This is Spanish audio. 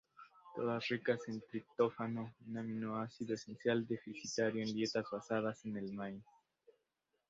Todas ricas en triptófano, un aminoácido esencial deficitario en dietas basadas en el maíz.